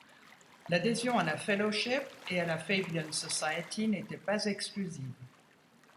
L'adhésion à la Fellowship et à la Fabian society n'était pas exclusive.